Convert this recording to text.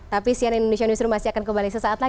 tapi cnn indonesia newsroom masih akan kembali sesaat lagi